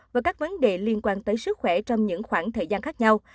và các vấn đề liên quan tới sức khỏe trong những khoảng thời gian khác nhau